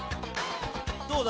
どうだ？